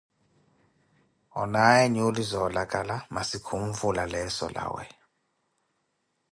Onaawe nyuuli zoolakala, masi khanvula leeso lawe.